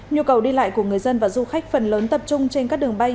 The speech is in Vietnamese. nhu cầu đi lại của người dân và du khách phần lớn tập trung trên các đường bay